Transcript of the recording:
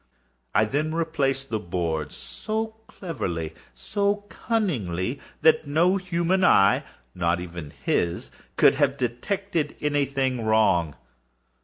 I then replaced the boards so cleverly, so cunningly, that no human eye—not even his—could have detected any thing wrong.